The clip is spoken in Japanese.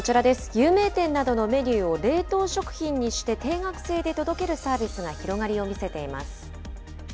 有名店などのメニューを冷凍食品にして定額制で届けるサービスが広がりを見せています。